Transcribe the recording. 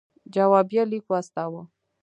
جوابیه لیک واستاوه.